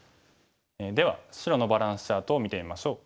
では白のバランスチャートを見てみましょう。